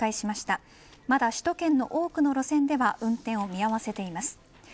まだ首都圏の多くの路線では運転を見合わせています。